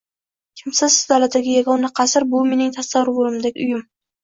Kimsasiz daladagi yagona qasr bu mening tasavvurdagi uyim